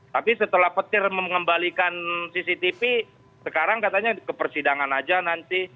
tapi setelah petir mengembalikan cctv sekarang katanya ke persidangan aja nanti